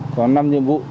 có năm nhiệm vụ